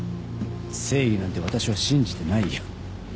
正義なんて私は信じてないよ。